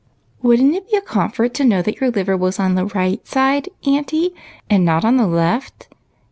" Would n't it be a comfort to know that your liver was on the right side, auntie, and not on the left?"